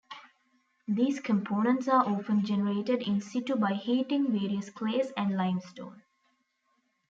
These components are often generated in situ by heating various clays and limestone.